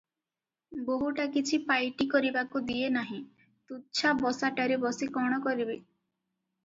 ବୋହୂଟା କିଛି ପାଇଟି କରିବାକୁ ଦିଏ ନାହିଁ, ତୁଚ୍ଛା ବସାଟାରେ ବସି କଣ କରିବେ?